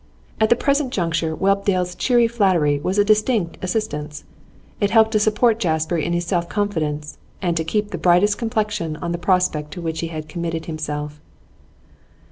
At the present juncture Whelpdale's cheery flattery was a distinct assistance; it helped to support Jasper in his self confidence, and to keep the brightest complexion on the prospect to which he had committed himself.